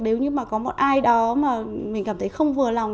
nếu như mà có một ai đó mà mình cảm thấy không vừa lòng